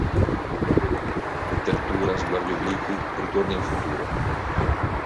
Letteratura, sguardi obliqui, ritorni al futuro".